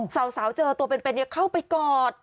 สาวเจอตัวเป็นเข้าไปกอด